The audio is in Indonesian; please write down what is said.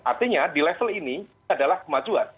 artinya di level ini adalah kemajuan